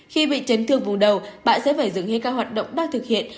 khi bị chấn thương vùng đầu bạn sẽ phải dừng hết các hoạt động đang thực hiện